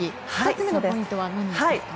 ２つ目のポイントは何ですか？